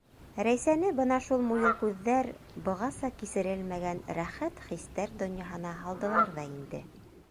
Рәйсәне бына шул муйыл күҙҙәр бығаса кисерелмәгән рәхәт хистәр дарьяһына һалдылар ҙа инде.